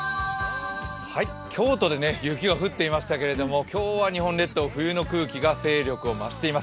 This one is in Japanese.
京都で雪が降っていましたけれども、今日は日本列島冬の空気が勢力を増しています。